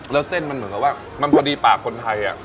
แล้วเส้นมันเหมือนกับว่ามันพอดีปากคนไทย